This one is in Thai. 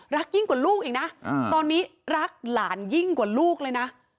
ยิ่งกว่าลูกอีกนะตอนนี้รักหลานยิ่งกว่าลูกเลยนะ